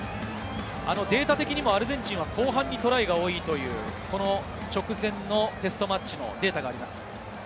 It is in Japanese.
データ的にもアルゼンチンは後半にトライが多いという直前のテストマッチのデータがあります。